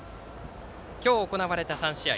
今日、行われた３試合。